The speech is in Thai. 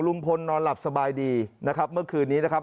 นอนหลับสบายดีนะครับเมื่อคืนนี้นะครับ